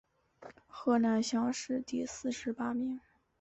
河南乡试第四十八名。